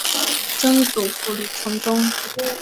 曾祖父李允中。